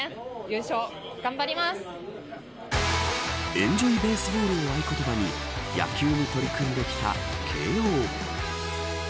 エンジョイ・ベースボールを合言葉に野球に取り組んできた慶応。